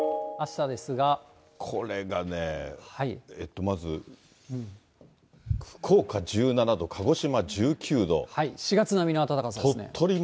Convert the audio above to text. これがね、まず福岡１７度、４月並みの暖かさですね。